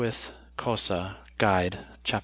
Cossa, "Guide," chap.